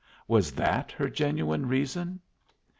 Was that her genuine reason?"